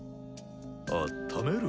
あっためる？